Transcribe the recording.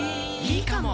いいかも！